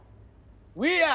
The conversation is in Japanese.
ウィーアー。